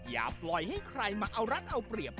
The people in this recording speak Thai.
อย่าปล่อยให้ใครมาเอารัฐเอาเปรียบ